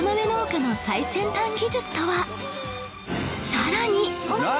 さらに何？